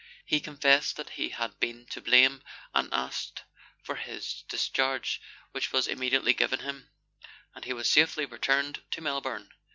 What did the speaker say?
He confessed that he had been to blame, and asked for his dis charge, which was immediately given him, and he was safely returned to Melbourne.